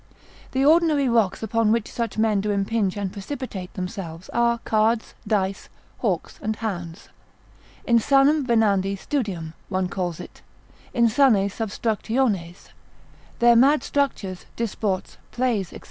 The ordinary rocks upon which such men do impinge and precipitate themselves, are cards, dice, hawks, and hounds, Insanum venandi studium, one calls it, insanae substructiones: their mad structures, disports, plays, &c.